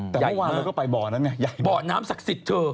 แต่เมื่อวานเธอก็ไปบ่อนั้นไงใหญ่บ่อน้ำศักดิ์สิทธิ์เธอ